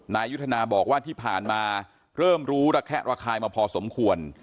นายุทธนาบอกว่าที่ผ่านมาเริ่มรู้ระแคะระคายมาพอสมควร